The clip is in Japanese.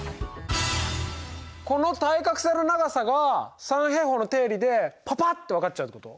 この対角線の長さが三平方の定理でパパっと分かっちゃうってこと？